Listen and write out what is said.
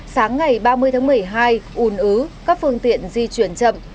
sáng ngày ba mươi tháng một mươi hai ùn ứ các phương tiện di chuyển chậm